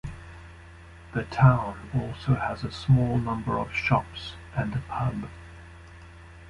The town also has a small number of shops and a pub.